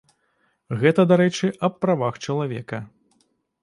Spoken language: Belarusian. Гэта, дарэчы, аб правах чалавека.